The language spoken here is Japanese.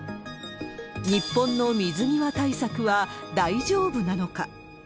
日本の水際対策は大丈夫なのか。